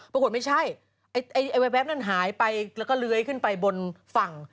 ปรากฏไม่ใช่ไอ้แวบนั้นหายไปแล้วก็เลื้อยขึ้นไปบนฝั่ง